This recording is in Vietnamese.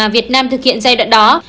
việt nam thực hiện giai đoạn đó